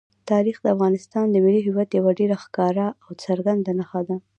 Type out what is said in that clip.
تاریخ د افغانستان د ملي هویت یوه ډېره ښکاره او څرګنده نښه ده.